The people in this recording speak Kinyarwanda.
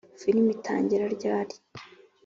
filime itangira ryari?